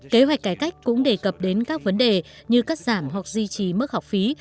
kế hoạch cải cách cũng đề cập đến các vấn đề như cắt giảm hoặc duy trì mức học phí